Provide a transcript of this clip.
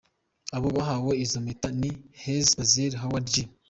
Abo bahawe izo mpeta ni Hezi Bezaleli, Howadi Gi.